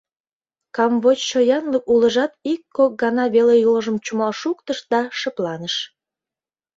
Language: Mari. Камвочшо янлык улыжат ик-кок гана веле йолжым чумал шуктыш да шыпланыш.